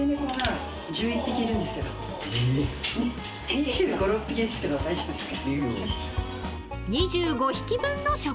２５２６匹いるんすけど大丈夫ですか？